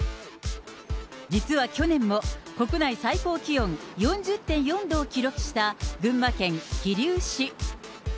実は去年も、国内最高気温４０．４度を記録した群馬県桐生市。